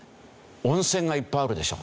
温泉がいっぱいあるでしょ。